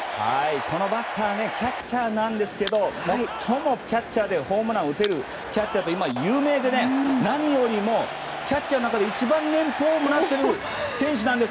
このバッターはキャッチャーなんですが最もキャッチャーでホームランを打てるキャッチャーで今、有名で何よりもキャッチャーの中で一番年俸をもらっている選手なんです。